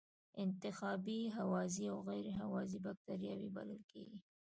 انتحابی هوازی او غیر هوازی بکټریاوې بلل کیږي.